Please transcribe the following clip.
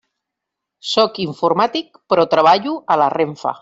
Sóc informàtic, però treballo a la RENFE.